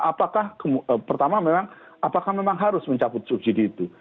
apakah memang harus mencaput subsidi itu